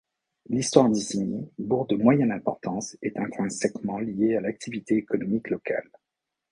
L'histoire d'Isigny, bourg de moyenne importance, est intrinsèquement liée à l'activité économique locale.